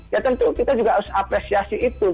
ya tentu kita juga harus apresiasi itu